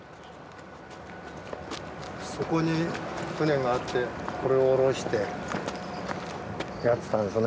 そこに船があってこれをおろしてやってたんですね。